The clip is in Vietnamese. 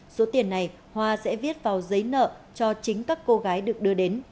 số tiền này hoa sẽ viết vào giấy nợ cho chính các cô gái được đưa đến